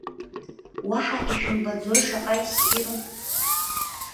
Уаҳа ишәымбаӡои шаҟа иссиру?!